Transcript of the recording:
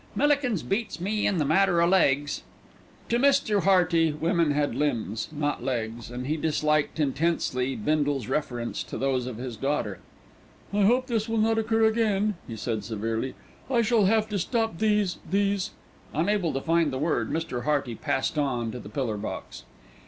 Millikins beats me in the matter o' legs." To Mr. Hearty women had limbs, not legs, and he disliked intensely Bindle's reference to those of his daughter. "I hope this will not occur again," he said severely. "I shall have to stop these these " Unable to find the word, Mr. Hearty passed on to the pillar box.